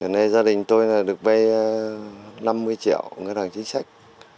lần này gia đình tôi là được bay năm mươi triệu có mức thành chính sách